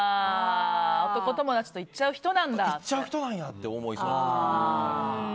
男友達と行っちゃう人なんだって思いそう。